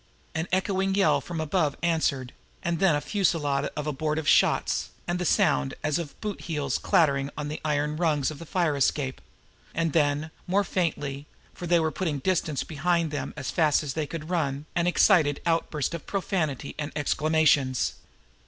An echoing yell from above answered and then a fusillade of abortive shots, and the sound as of boot heels clattering on the iron rungs of the fire escape; and then, more faintly, for they were putting distance behind them as fast as they could run, an excited outburst of profanity and exclamations.